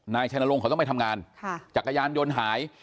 นายชัยนรงค์เขาต้องไปทำงานจักรยานยนต์หาย